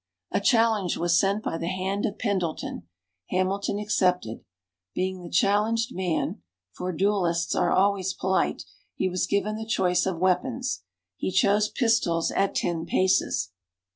A challenge was sent by the hand of Pendleton. Hamilton accepted. Being the challenged man (for duelists are always polite), he was given the choice of weapons. He chose pistols at ten paces.